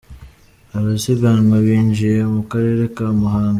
h’: Abasiganwa binjiye mu karere ka Muhanga.